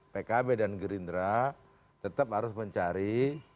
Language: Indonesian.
pkb dan gerindra tetap harus mencari